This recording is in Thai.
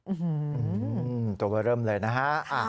อื้อหือตกไปเริ่มเลยนะฮะ